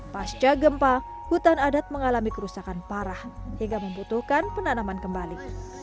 pasca gempa hutan adat mengalami kerusakan parah hingga membutuhkan penanaman kembali